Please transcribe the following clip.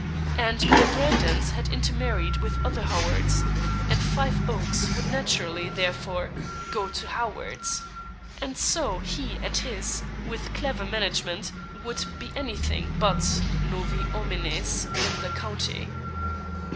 And the Brandons had intermarried with other Howards, and Five Oaks would naturally, therefore, go to Howards; and so he and his, with clever management, would be anything but novi homines in the county.